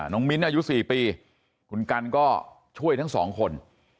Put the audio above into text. มิ้นอายุ๔ปีคุณกันก็ช่วยทั้งสองคน